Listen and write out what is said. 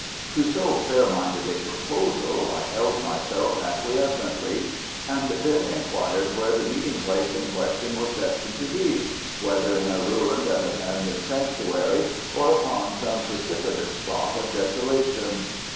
To so fair minded a proposal I held myself acquiescently, and then inquired where the meeting place in question was destined to be whether in a ruined and abandoned sanctuary, or upon some precipitous spot of desolation.